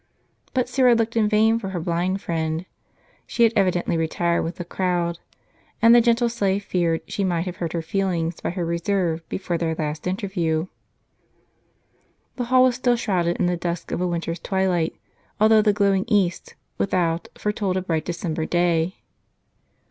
But Syra looked in vain for her blind friend ; she had evidently retired with the crowd ; and the gentle slave feared she might have hurt her feelings by her reserve, before their last inter view. The hall was still shrouded in the dusk of a winter's twilight, although the glowing east, without, foretold a bright December day.